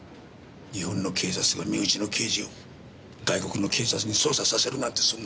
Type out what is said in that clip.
日本の警察が身内の刑事を外国の警察に捜査させるなんてそんな。